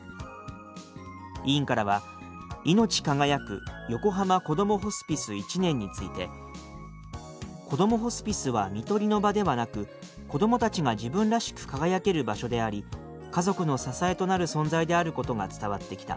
委員からは「いのち輝く横浜こどもホスピス１年」について「こどもホスピスは看取りの場ではなくこどもたちが自分らしく輝ける場所であり家族の支えとなる存在であることが伝わってきた」